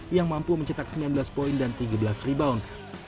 yang mampu mencetak sembilan belas poin dan tiga belas rebound